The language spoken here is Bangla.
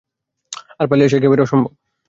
আর পালিয়ে আসা একেবারে অসম্ভব!